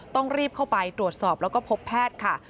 ต้องรีบเข้าไปตรวจสอบแล้วก็พบแพทย์ค่ะ